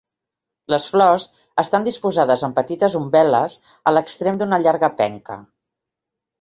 Les flors estan disposades en petites umbel·les a l'extrem d'una llarga penca.